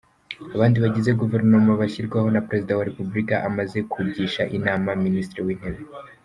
Abandi bagize Guverinoma bashyirwaho na Perezida wa Repubulika amaze kugisha inama Minisitiri w’Intebe.